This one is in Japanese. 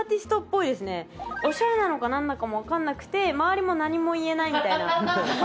オシャレなのかなんなのかもわかんなくて周りも何も言えないみたいな。